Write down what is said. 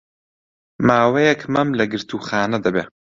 ماوەیەک مەم لە گرتووخانە دەبێ